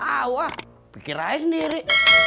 awah pikir aja sendiri